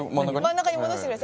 真ん中に戻してください。